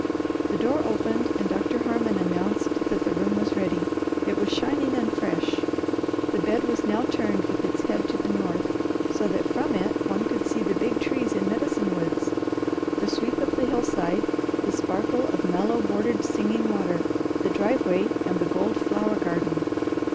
The door opened, and Doctor Harmon announced that the room was ready. It was shining and fresh. The bed was now turned with its head to the north, so that from it one could see the big trees in Medicine Woods, the sweep of the hillside, the sparkle of mallow bordered Singing Water, the driveway and the gold flower garden.